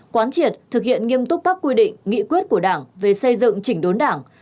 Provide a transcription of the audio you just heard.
quán triệt thực hiện nghiêm túc các quy định nghị quyết của đảng về xây dựng chỉnh đốn đảng